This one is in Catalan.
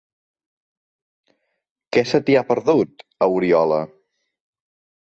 Què se t'hi ha perdut, a Oriola?